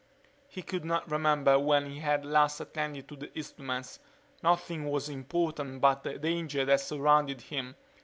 He could not remember when he had last attended to the instruments. Nothing was important but the danger that surrounded him.